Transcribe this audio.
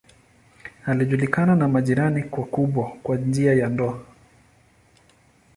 Alijiunga na majirani wakubwa kwa njia ya ndoa.